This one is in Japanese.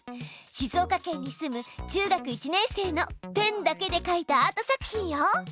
しずおかけんに住む中学１年生のペンだけで描いたアート作品よ。